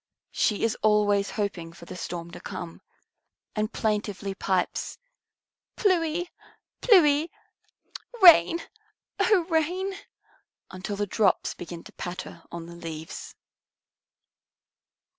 She is always hoping for the storm to come, and plaintively pipes, "Plui plui! Rain, O Rain!" until the drops begin to patter on the leaves.